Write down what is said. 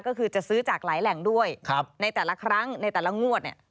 ก็คือจะซื้อจากหลายแหล่งด้วยในแต่ละครั้งในแต่ละงวดเนี่ย